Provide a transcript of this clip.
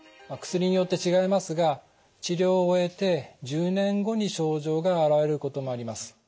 薬によって違いますが治療を終えて１０年後に症状が現れることもあります。